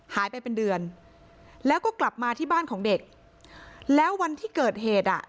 หายไปเป็นเดือนแล้วก็กลับมาที่บ้านของเด็กแล้ววันที่เกิดเหตุอ่ะ